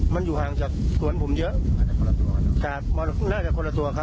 มันอยู่ห่างจากสวนผมเยอะน่าจะคนละตัวครับ